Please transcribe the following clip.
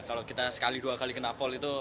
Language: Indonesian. kalau kita sekali dua kali kena pol itu